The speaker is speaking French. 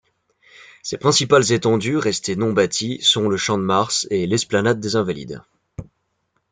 Ses principales étendues restées non bâties sont le Champ-de-Mars et l'esplanade des Invalides.